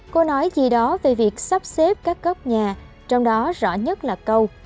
cô nói gì đó về việc sắp xếp các cốc nhà trong đó rõ nhất là câu